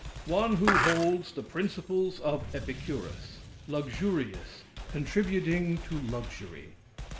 One who holds the principles of Epicurus Luxurious, contributing to luxury.